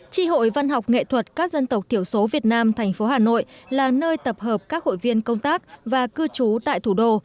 tri hội văn học nghệ thuật các dân tộc thiểu số việt nam thành phố hà nội là nơi tập hợp các hội viên công tác và cư trú tại thủ đô